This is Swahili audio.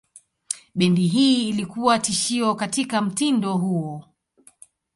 Bendi hii ilikuwa tishio katika mtindo huo.